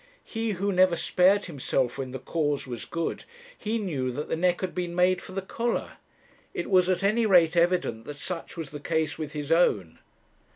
He, who never spared him self when the cause was good, he knew that the neck had been made for the collar it was at any rate evident that such was the case with his own.